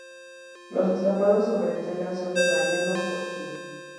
Los estampados sobre tela son de Mariano Fortuny.